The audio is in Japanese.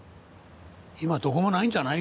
今どこもないんじゃない？